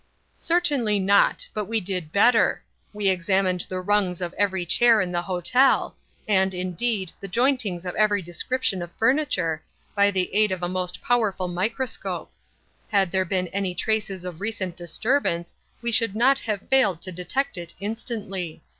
"Certainly not; but we did better—we examined the rungs of every chair in the hotel, and, indeed the jointings of every description of furniture, by the aid of a most powerful microscope. Had there been any traces of recent disturbance we should not have failed to detect it instantly.